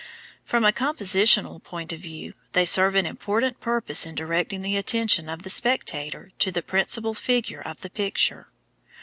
From a compositional point of view they serve an important purpose in directing the attention of the spectator to the principal figure of the picture.